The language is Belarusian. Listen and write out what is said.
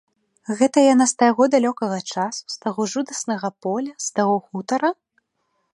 Гэта яна з таго далёкага часу, з таго жудаснага поля, з таго хутара?